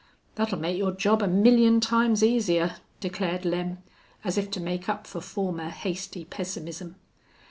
"Thet'll make your job a million times easier," declared Lem, as if to make up for former hasty pessimism.